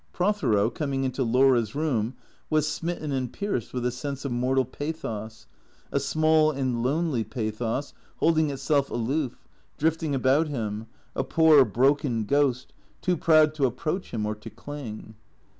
Prothero, coming into Laura's room, was smitten and pierced with a sense of mortal pathos, a small and lonely pathos, holding itself aloof, drifting about him, a poor broken ghost, too proud to approach him or to cling.